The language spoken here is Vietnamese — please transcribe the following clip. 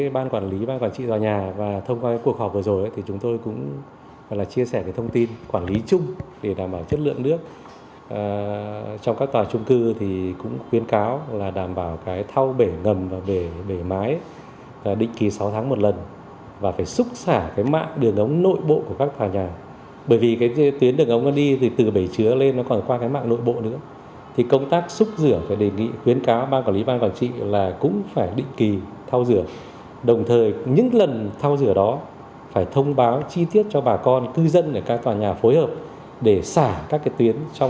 ban quản trị tòa nhà phải phối hợp với đơn vị cung cấp nước là công ty trách nhiệm hiếu hạn